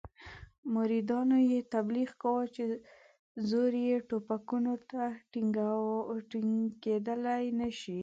مریدانو یې تبلیغ کاوه چې زور یې ټوپکونو ته ټینګېدلای نه شي.